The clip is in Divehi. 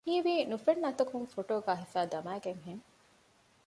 ހީވީ ނުފެންނަ އަތަކުން ފޮޓޯގައި ހިފައި ދަމައިގަތްހެން